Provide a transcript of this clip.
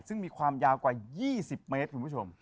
ซึ่งมีความยาวกว่า๒๐เมตรคุณผู้ชม